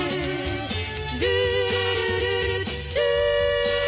「ルールルルルルー」